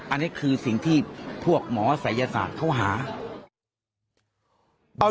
อันนี้คือสิ่งที่พวกหมอศัยศาสตร์เขาหา